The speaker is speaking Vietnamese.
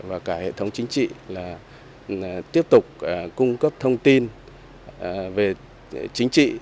và cả hệ thống chính trị là tiếp tục cung cấp thông tin về chính trị